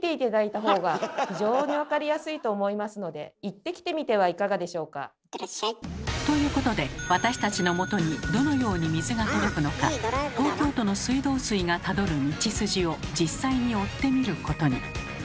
いってらっしゃい！ということで私たちのもとにどのように水が届くのか東京都の水道水がたどる道筋を実際に追ってみることに。